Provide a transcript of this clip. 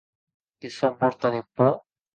Que sò mòrta de pòur!